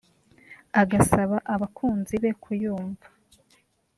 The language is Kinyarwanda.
agasaba abakunzi be kuyumva